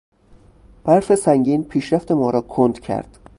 برف سنگین پیشرفت ما را کند کرد.